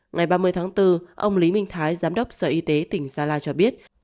ngày ba mươi tháng bốn ông lý minh thái giám đốc sở y tế tỉnh gia lai cho biết